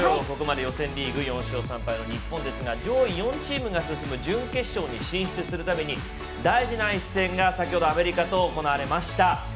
ここまで予選リーグ４勝３敗の日本ですが上位４チームが進む準決勝に進出するために大事な一戦が先ほどアメリカと行われました。